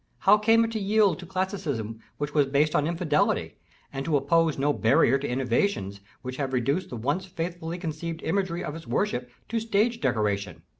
How came it to yield to Classicalism which was based on infidelity, and to oppose no barrier to innovations, which have reduced the once faithfully conceived imagery of its worship to stage decoration?